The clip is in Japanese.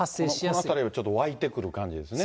この辺りは湧いてくる感じですね。